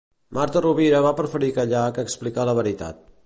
Marta Rovira va preferir callar que explicar la veritat.